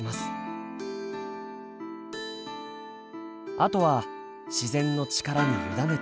あとは自然の力に委ねて。